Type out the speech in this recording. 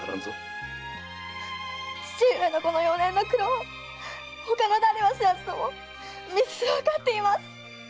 父上のこの四年の苦労を他の誰は知らずとも美鈴はわかっています！